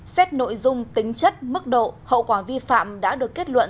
xét nội dung tính chất mức độ hậu quả vi phạm đã được kết luận